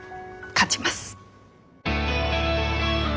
勝ちます。